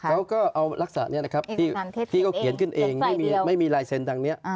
เขาก็เอาลักษณะนี้นะครับที่เขาเขียนขึ้นเองไม่มีลายเซ็นต์ทางนี้